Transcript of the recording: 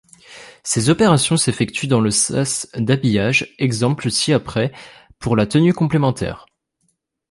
Ces opérations s'effectuent dans le sas d'habillage, exemple ci-après pour la tenue complémentaire.